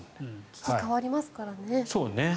利きが変わりますからね。